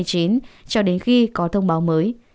cho đến khi có thông báo mới